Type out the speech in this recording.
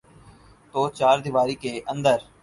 توچاردیواری کے اندر۔